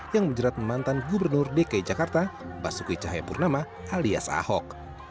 yang menjerat mantan gubernur dki jakarta basuki cahayapurnama alias ahok